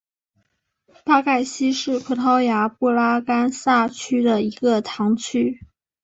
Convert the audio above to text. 巴盖希是葡萄牙布拉干萨区的一个堂区。